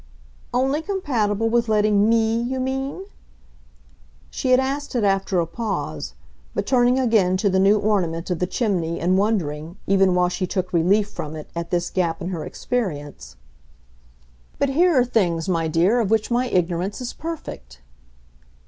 "Only compatible with letting ME, you mean?" She had asked it after a pause, but turning again to the new ornament of the chimney and wondering, even while she took relief from it, at this gap in her experience. "But here are things, my dear, of which my ignorance is perfect."